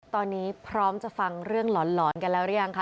ตอนนี้พร้อมจะฟังเรื่องหลอนกันแล้วหรือยังคะ